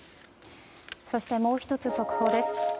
そしてもう１つ速報です。